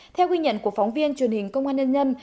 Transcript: theo ghi nhận của phóng viên truyền hình công an nhân dân